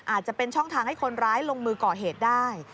อาจจะเป็นช่องทางให้คนร้ายลงมือก่อเหตุได้